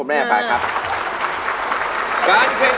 ร้องได้ให้ร้อง